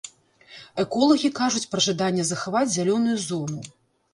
Эколагі кажуць пра жаданне захаваць зялёную зону.